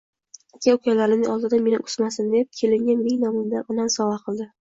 Aka-ukalarimning oldida meni o`ksimasin deb, kelinga mening nomimdan onam sovg`a qildi